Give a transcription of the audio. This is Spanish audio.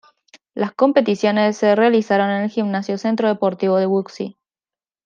Las competiciones se realizaron en el Gimnasio Centro Deportivo de Wuxi.